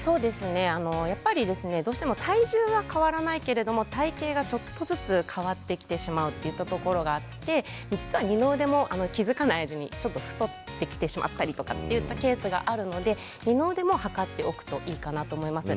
やっぱり、どうしても体重は変わらないけれど体形がちょっとずつ変わってきてしまうといったところがあって、実は二の腕も気付かないうちに太ってきてしまったということがあるので二の腕も測っておくといいかなと思います。